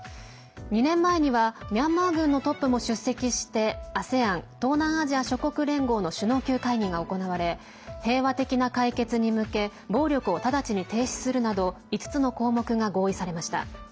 ２年前にはミャンマー軍のトップも出席してＡＳＥＡＮ＝東南アジア諸国連合の首脳級会議が行われ平和的な解決に向け暴力を直ちに停止するなど５つの項目が合意されました。